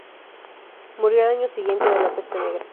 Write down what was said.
Murió al año siguiente de la Peste Negra.